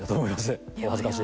お恥ずかしいです。